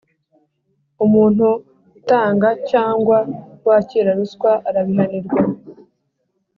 Umuntu utanga cyangwa wakira ruswa arabihanirwa